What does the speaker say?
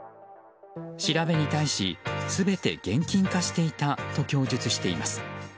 調べに対し、全て現金化していたと供述しています。